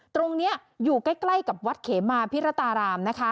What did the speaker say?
ตรงนี้อยู่ใกล้กับวัดเขมาพิรตารามนะคะ